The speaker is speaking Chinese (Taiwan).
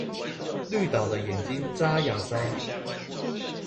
綠島的眼睛眨呀眨